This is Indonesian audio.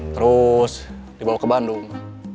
terus dibawa ke bandung